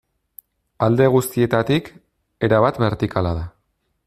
Alde guztietatik, erabat bertikala da.